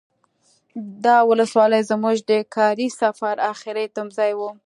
دا ولسوالي زمونږ د کاري سفر اخري تمځای و.